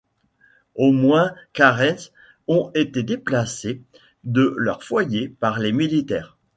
Au moins Karens ont été déplacées de leurs foyers par les militaires.